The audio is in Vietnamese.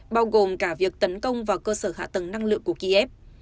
bao gồm cả việc tấn công vào cơ sở hạ tầng năng lượng của kiev